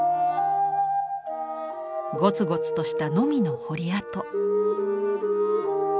ゴツゴツとしたのみの彫り跡。